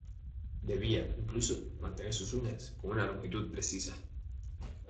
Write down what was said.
Debía, incluso, mantener sus uñas con una longitud precisa.